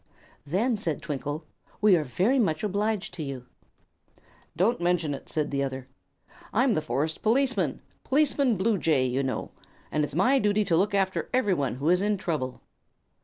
"Then," said Twinkle, "we are very much obliged to you." "Don't mention it," said the other. "I'm the forest policeman Policeman Bluejay, you know and it's my duty to look after everyone who is in trouble."